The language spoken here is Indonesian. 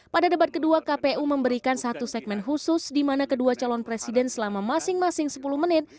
pada debat kedua kpu memberikan satu segmen khusus di mana kedua calon presiden selama masing masing sepuluh menit